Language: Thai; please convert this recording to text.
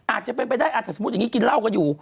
อาจจะเป็นไปได้ถ้าสมมุติอย่างนี้กินเหล้ากันอยู่